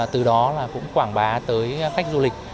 từ đó cũng quảng bá tới khách du lịch